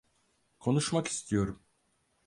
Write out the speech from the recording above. Konuşmak istiyorum.